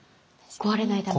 壊れないために。